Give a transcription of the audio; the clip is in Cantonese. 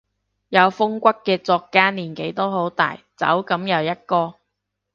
有風骨嘅作家年紀都好大，走噉又一個